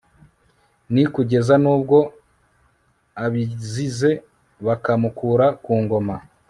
ni kugeza n'ubwo abizize bakamukura ku ngoma